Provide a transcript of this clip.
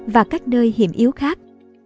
và các nơi hiểm yếu khác